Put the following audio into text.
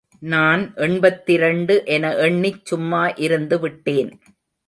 நான் எண்பத்திரண்டு என எண்ணிச் சும்மா இருந்து விட்டேன்.